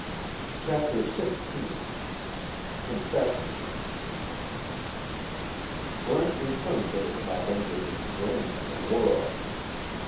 CHAPTER XVI CONFESSIONS Brent returned to the cabin with his brain in a whirl.